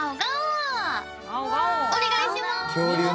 お願いしまーす。